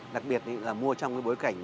đặc biệt là mua trong bối cảnh